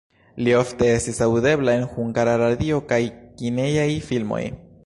Li ofte estis aŭdebla en Hungara Radio kaj kinejaj filmoj.